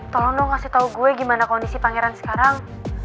tolong dong kasih tahu gue gimana kondisi pangeran sekarang